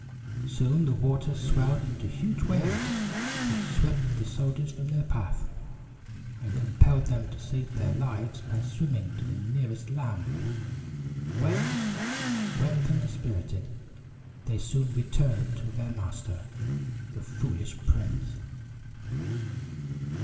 Soon the water swelled into huge waves, which swept the soldiers from their path, and compelled them to save their lives by swimming to the nearest land, when, wet and dispirited, they soon returned to their master, the foolish prince.